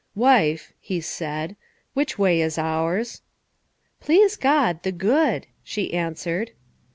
"Wife," he said, "which way is ours?" "Please God, the good," she answered.